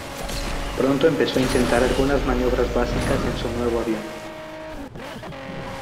Pronto empezó a intentar algunas maniobras básicas en su nuevo avión.